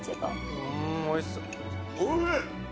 おいしい！